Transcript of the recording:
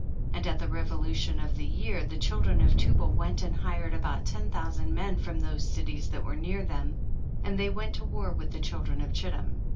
And at the revolution of the year the children of Tubal went and hired about ten thousand men from those cities that were near them, and they went to war with the children of Chittim.